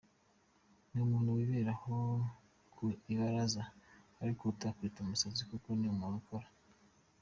Ni umuntu wibera aho ku ibaraza ariko utakwita umusazi kuko ni umuntu ukora.